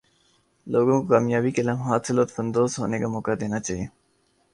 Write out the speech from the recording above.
لوگوں کو کامیابی کے لمحات سے لطف اندواز ہونے کا موقع دینا چاہئے